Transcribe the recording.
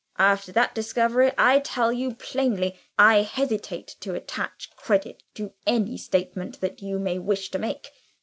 After that discovery, I tell you plainly I hesitate to attach credit to any statement that you may wish to make.